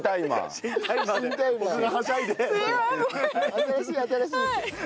新しい新しい。